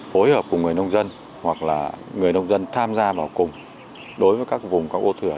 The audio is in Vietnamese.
phối hợp cùng người nông dân hoặc là người nông dân tham gia vào cùng đối với các vùng các ô thừa